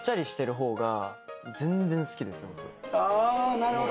なるほど。